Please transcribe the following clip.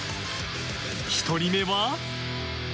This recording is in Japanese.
１人目は。